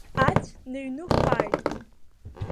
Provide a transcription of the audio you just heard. Ацә ныҩныхәааит.